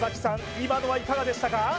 今のはいかがでしたか？